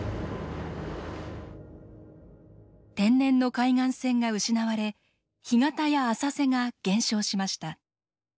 天然の海岸線が失われ干潟や浅瀬が減少しました。